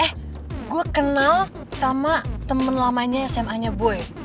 eh gue kenal sama temen lamanya sma nya boy